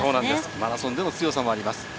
マラソンでの強さもあります。